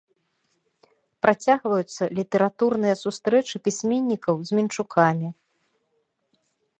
Працягваюцца літаратурныя сустрэчы пісьменнікаў з мінчукамі.